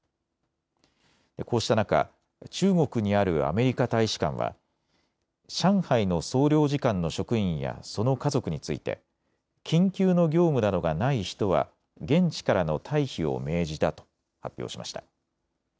こうした中、中国にあるアメリカ大使館は上海の総領事館の職員やその家族について緊急の業務などがない人は現地からの退避を命じたと発表しました。